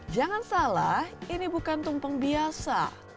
jangan salah ini bukan tumpeng biasa